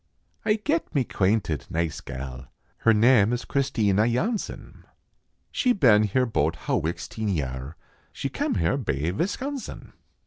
Ay get mae quainted nice gal, Her nam is Christina Yohnsen ; She been here bote hawixteen yar, She kem hare bay Visconsen.